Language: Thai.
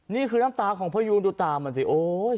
นี่คือน้ำตาของพยูนดูตามันสิโอ้ย